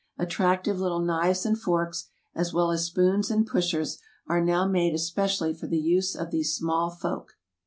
Attractive little knives and forks, as well as spoons and "pushers," are now made especially for the use of these small folk.